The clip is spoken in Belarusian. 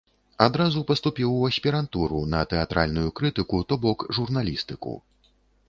Адразу паступіў у аспірантуру на тэатральную крытыку, то бок журналістыку.